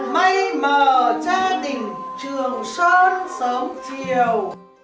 may mờ cha đình trường sớn sớm chiều